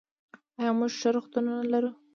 آیا موږ ښه روغتونونه لرو؟